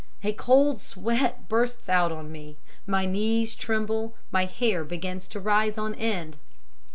A cold sweat bursts out on me, my knees tremble, my hair begins to rise on end.